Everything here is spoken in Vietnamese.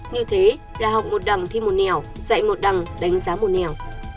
như thế là học một đằng thi một nẻo dạy một đằng đánh giá một nẻo